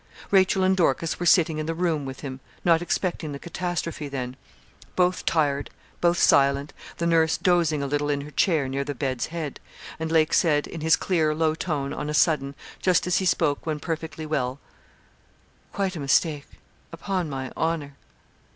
Rachel and Dorcas were sitting in the room with him not expecting the catastrophe then. Both tired; both silent; the nurse dozing a little in her chair, near the bed's head; and Lake said, in his clear, low tone, on a sudden, just as he spoke when perfectly well 'Quite a mistake, upon my honour.'